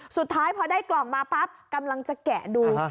สุดท้ายพอได้กล่องมาปั๊บกำลังจะแกะดู